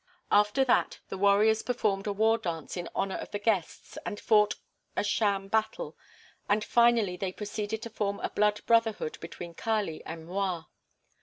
After that, the warriors performed a war dance in honor of the guests and fought a sham battle, and finally they proceeded to form a blood brotherhood between Kali and M'Rua.